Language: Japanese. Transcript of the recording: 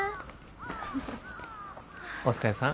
お疲れさん。